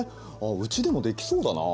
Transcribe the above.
うちでもできそうだな。